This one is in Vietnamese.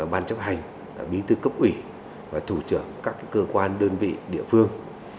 ban chấp hành bí tư cấp ủy và thủ trưởng các cơ quan đơn vị địa phương